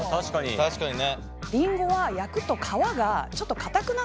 確かにね。